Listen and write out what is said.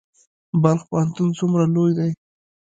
بلخ پوهنتون څومره لوی دی؟